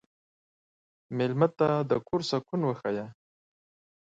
مېلمه ته د کور سکون وښیه.